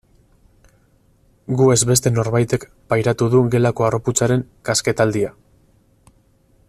Gu ez beste norbaitek pairatu du gelako harroputzaren kasketaldia.